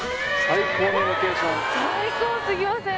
最高すぎません？